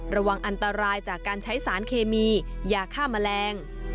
ระวังอันตรายจากการใช้สารเคมียาฆ่าแมลง